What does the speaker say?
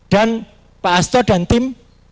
dan pak astor dan tim